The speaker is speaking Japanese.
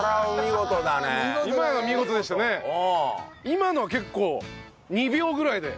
今のは結構２秒ぐらいで。